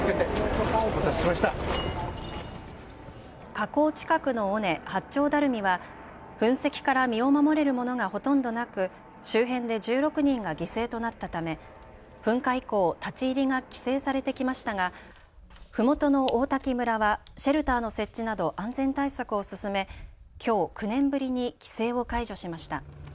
火口近くの尾根、八丁ダルミは噴石から身を守れるものがほとんどなく周辺で１６人が犠牲となったため噴火以降、立ち入りが規制されてきましたが、ふもとの王滝村はシェルターの設置など安全対策を進め、きょう９年ぶりに規制を解除しました。